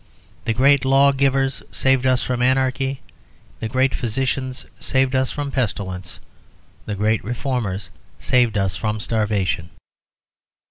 The great law givers saved us from anarchy: the great physicians saved us from pestilence: the great reformers saved us from starvation.